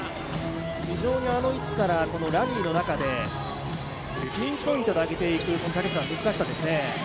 非常にあの位置からラリーの中でピンポイントで上げていく難しさですね。